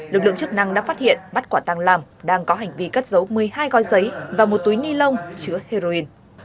lực lượng chức năng đã phát hiện bắt quả tăng lam đang có hành vi cất giấu một mươi hai gói giấy và một túi ni lông chứa heroin